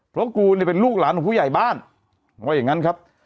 เพราะกูเนี่ยเป็นลูกหลานของผู้ใหญ่บ้านว่าอย่างนั้นครับ